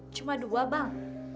cuma dua bang